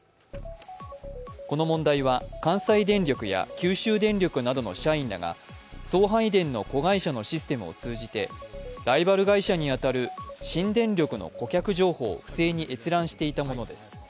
この問題は関西電力や九州電力などの社員らが送配電の子会社のシステムを通じてライバル会社に当たる新電力の顧客情報を不正に閲覧していたものです。